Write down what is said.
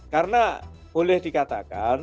karena boleh dikatakan